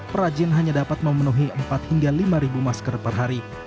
perajin hanya dapat memenuhi empat hingga lima masker per hari